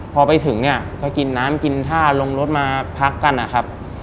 พอไปถึงเนี่ยก็กินน้ำกินท่าลงรถมาพักกันนะครับ